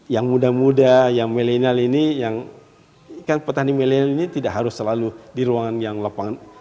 yang muda muda yang milenial ini yang kan petani milenial ini tidak harus selalu di ruangan yang lapangan